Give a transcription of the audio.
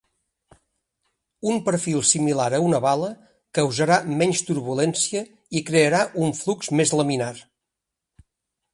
Un perfil similar a una bala causarà menys turbulència i crearà un flux més laminar.